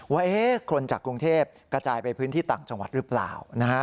ว่าคนจากกรุงเทพกระจายไปพื้นที่ต่างจังหวัดหรือเปล่า